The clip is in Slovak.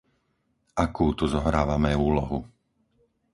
Akú tu zohrávame úlohu?